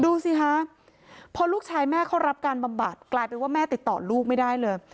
ดูสิคะพอลูกชายแม่เข้ารับการบำบัดกลายเป็นว่าแม่ติดต่อลูกไม่ได้เลย